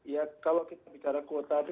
ya kalau kita bicara kuota